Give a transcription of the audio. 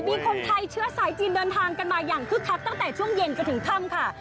มีคนไทยเชื้อสายจีนเดินทางกันมาอย่างคึกคักตั้งแต่ช่วงเย็นจนถึงค่ำค่ะ